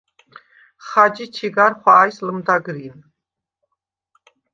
ხაჯი ჩიგარ ხვა̄ჲს ლჷმდაგრინ.